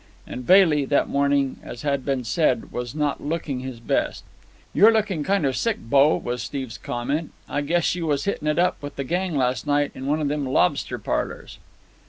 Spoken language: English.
And Bailey, that morning, as has been said, was not looking his best. "You're lookin' kind o' sick, bo," was Steve's comment. "I guess you was hittin' it up with the gang last night in one of them lobster parlours."